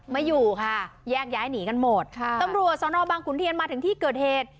ไม่อยู่ค่ะแยกย้ายหนีกันหมดค่ะตำรวจสนบางขุนเทียนมาถึงที่เกิดเหตุ